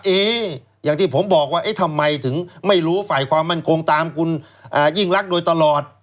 อย่างที่ผมบอกว่าเอ๊ะทำไมถึงไม่รู้ฝ่ายความมั่นคงตามคุณยิ่งรักโดยตลอด